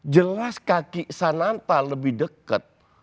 jelas kaki sananta lebih dekat